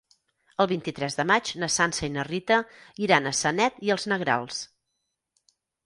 El vint-i-tres de maig na Sança i na Rita iran a Sanet i els Negrals.